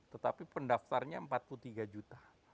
tetapi pendaftarnya empat puluh tiga juta